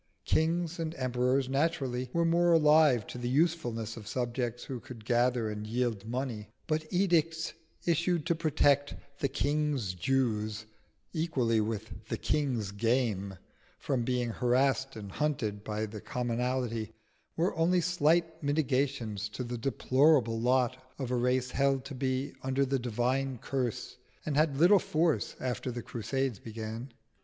Kings and emperors naturally were more alive to the usefulness of subjects who could gather and yield money; but edicts issued to protect "the King's Jews" equally with the King's game from being harassed and hunted by the commonalty were only slight mitigations to the deplorable lot of a race held to be under the divine curse, and had little force after the Crusades began.